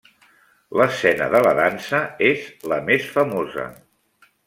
L'escena de la dansa és la més famosa.